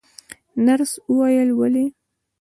نرسې وویل: ولې؟